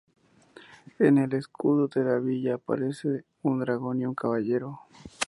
En el escudo de la villa aparece un dragón y un caballero.